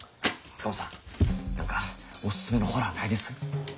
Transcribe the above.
塚本さん何かおすすめのホラーないです？